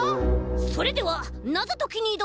それではなぞときにいどむ